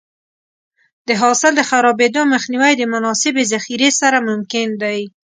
د حاصل د خرابېدو مخنیوی د مناسبې ذخیرې سره ممکن دی.